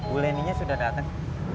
buleninya sudah datang